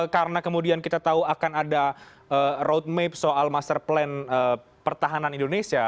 karena kemudian kita tahu akan ada road map soal master plan pertahanan indonesia